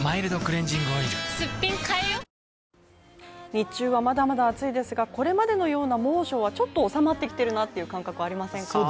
日中はまだまだ暑いですが、これまでのような猛暑は、ちょっと収まってきているなという感覚ありませんか？